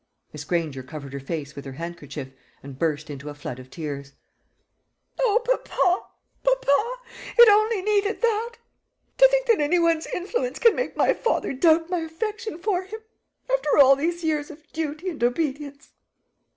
Miss Granger covered her face with her handkerchief, and burst into a flood of tears. "Oh, papa, papa, it only needed that! To think that any one's influence can make my father doubt my affection for him, after all these years of duty and obedience!"